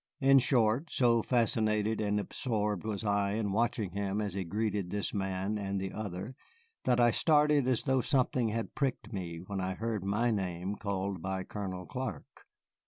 In short, so fascinated and absorbed was I in watching him as he greeted this man and the other that I started as though something had pricked me when I heard my name called by Colonel Clark.